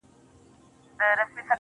o گرانه شاعره لږ څه يخ دى كنه.